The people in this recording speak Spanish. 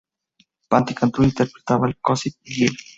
Paty Cantú interpreta a Gossip Girl.